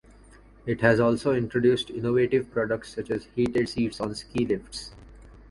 It has also introduced innovative products such as heated seats on ski lifts.